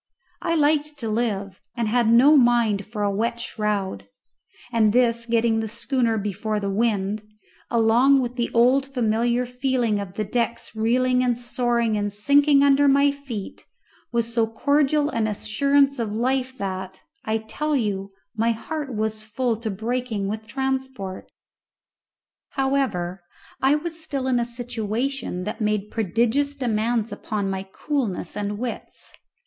I liked to live, and had no mind for a wet shroud, and this getting the schooner before the wind, along with the old familiar feeling of the decks reeling and soaring and sinking under my feet, was so cordial an assurance of life that, I tell you, my heart was full to breaking with transport. However, I was still in a situation that made prodigious demands upon my coolness and wits.